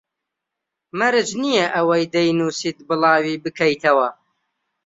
مەرج نییە ئەوەی دەینووسیت بڵاوی بکەیتەوە